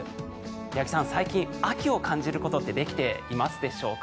八木さん、最近秋を感じることってできていますでしょうか。